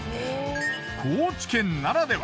高知県ならでは。